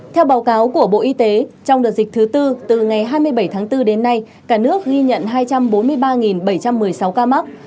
theo báo cáo của bộ y tế trong đợt dịch thứ tư từ ngày hai mươi bảy tháng bốn đến nay cả nước ghi nhận hai trăm bốn mươi ba bảy trăm một mươi sáu ca mắc